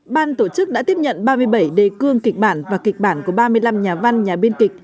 ban tổ chức đã tiếp nhận ba mươi bảy đề cương kịch bản và kịch bản của ba mươi năm nhà văn nhà biên kịch